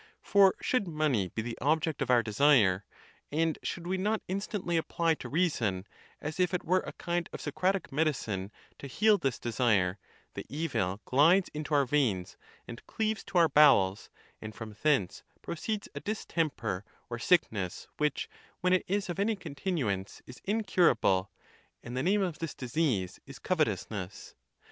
For should money be the object of our desire, and should we not instantly apply to reason, as if it were a kind of Socratic medicine to heal this desire, the evil glides into our veins, and cleaves to our bowels, and from thence proceeds a distemper or sick ness, which, when it is of any continuance, is incurable, and the name of this disease is covetousness.